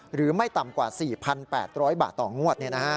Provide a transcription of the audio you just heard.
หรือไม่ต่ำกว่า๔๘๐๐บาทต่องวด